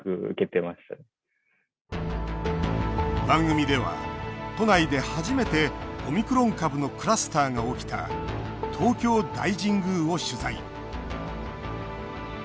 番組では、都内で初めてオミクロン株のクラスターが起きた東京大神宮を取材。